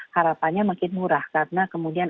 harapannya makin murah karena kemudian